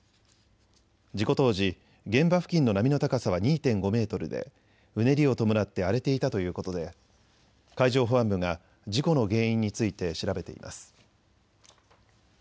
事故当時、現場付近の波の高さは２．５メートルで、うねりを伴って荒れていたということで海上保安部が事故の原因について調べています。